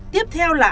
tiếp theo là